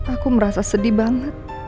aku merasa sedih banget